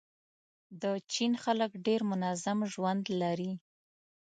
د چین خلک ډېر منظم ژوند لري.